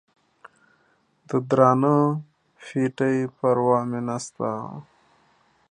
د درانه پېټي پروا مې نسته.